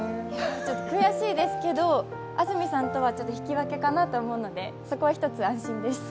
悔しいですけど、安住さんとは引き分けかなと思うのでそこは一つ安心です。